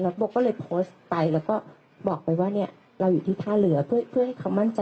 แล้วก็มีมุมมองแล้วก็บอกจริงจันว่าคำคุณของคุณกระจิก